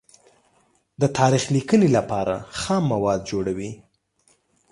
د تاریخ لیکنې لپاره خام مواد جوړوي.